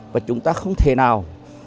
và chúng ta không thể nào